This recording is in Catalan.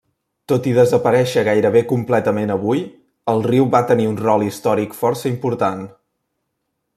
Tot i desaparèixer gairebé completament avui, el riu va tenir un rol històric força important.